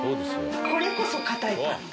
これこそ硬いパンで。